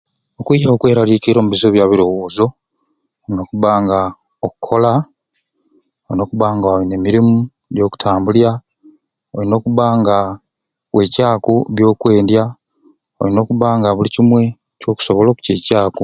Okwiawo okwelaliikiira omubizibu bya birowoozo olina okubba nga okkola, olina okubba nga olina emirimu gyokutambulya, olina okubba nga weicaaku byokwendwa olina okubba nga buli kimwe okusobola okuceicaaku